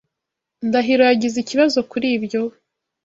Ndahiro yagize ikibazo kuri ibyo?